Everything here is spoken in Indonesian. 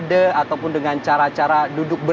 wassalamu'alaikum wr wb